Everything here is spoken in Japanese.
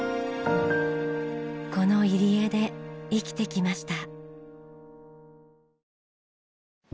この入り江で生きてきました。